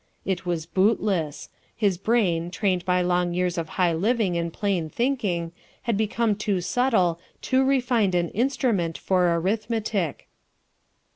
It was bootless. His brain, trained by long years of high living and plain thinking, had become too subtle, too refined an instrument for arithmetic....